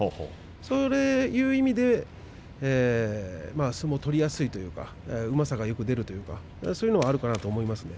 そういう意味で相撲を取りやすいというかうまさがよく出るというかそういうのがあるかなと思いますね。